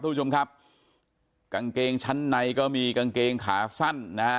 ทุกผู้ชมครับกางเกงชั้นในก็มีกางเกงขาสั้นนะฮะ